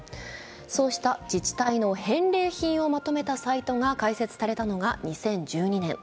そうした自治体の返礼品をまとめたサイトが開設されたのが２０１２年。